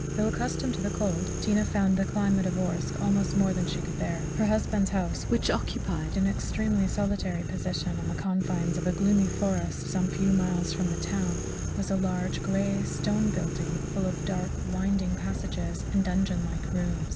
Though accustomed to the cold, Tina found the climate of Orsk almost more than she could bear. Her husband's house, which occupied an extremely solitary position on the confines of a gloomy forest, some few miles from the town, was a large, grey stone building full of dark winding passages and dungeon like rooms.